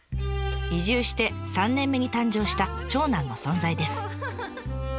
移住して３年目に誕生した長男の存在です。